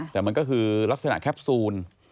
แต่มันก็คือลักษณะแคปซูล